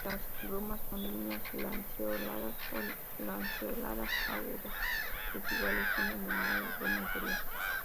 Las glumas son lineal-lanceoladas o lanceoladas, agudas, desiguales, siendo menor la gluma inferior.